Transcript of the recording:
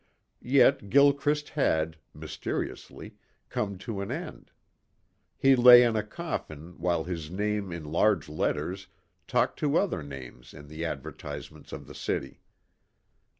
Yet Gilchrist had, mysteriously, come to an end. He lay in a coffin while his name in large letters talked to other names in the advertisements of the city.